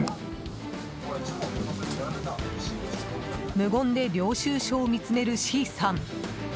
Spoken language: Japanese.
無言で領収書を見つめるＣさん。